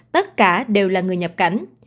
tất cả đều là người nhập cảnh